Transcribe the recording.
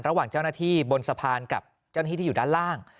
ระหว่างเจ้าหน้าที่บนสะพานกับเจ้าหน้าที่ที่อยู่ด้านล่าง